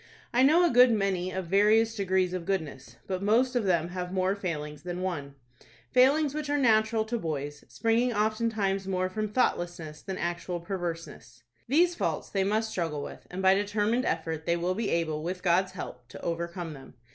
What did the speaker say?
I know a good many of various degrees of goodness; but most of them have more failings than one,—failings which are natural to boys, springing oftentimes more from thoughtlessness than actual perverseness. These faults they must struggle with, and by determined effort they will be able, with God's help, to overcome them.